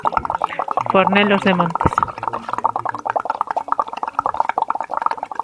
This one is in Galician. Fornelos de Montes.